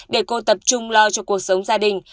để cô tập trung lo cho cuộc sống gia đình